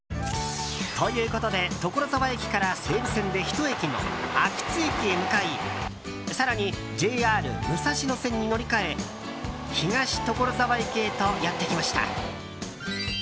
ということで所沢駅から西武線でひと駅の秋津駅へ向かい更にＪＲ武蔵野線に乗り換え東所沢駅へとやってきました。